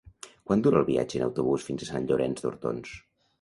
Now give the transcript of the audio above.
Quant dura el viatge en autobús fins a Sant Llorenç d'Hortons?